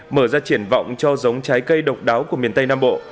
mở ra triển vọng cho giống trái cây độc đáo của miền tây nam bộ